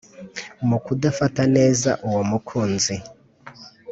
mu kudafata neza uwo mukunzi